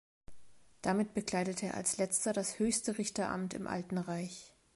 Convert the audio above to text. Damit bekleidete er als letzter das höchste Richteramt im Alten Reich.